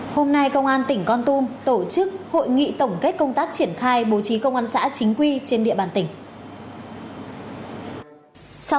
hôm nay công an tỉnh con tum tổ chức hội nghị tổng kết công tác triển khai bố trí công an xã chính quy trên địa bàn tỉnh